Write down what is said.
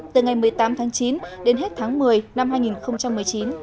từ ngày một mươi tám tháng chín đến hết tháng một mươi năm hai nghìn một mươi chín